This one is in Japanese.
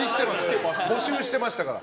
募集してましたから。